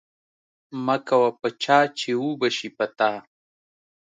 مکوه په چا چی وبه شی په تا